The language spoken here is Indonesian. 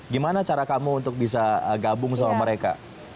gimana cara kamu untuk bisa gabung sama mereka